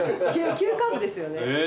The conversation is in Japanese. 急カーブですよね。